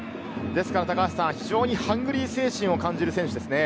ですから非常にハングリー精神を感じる選手ですね。